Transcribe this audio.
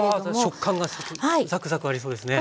食感がザクザクありそうですね。